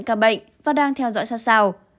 các bệnh và đang theo dõi sát sao